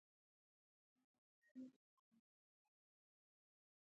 بنسټي نوښتونه د یوه متمرکز دولت محصول ګڼل کېدل.